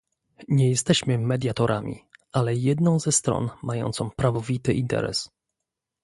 Nie jesteśmy mediatorami, ale jedną ze stron mającą prawowity interes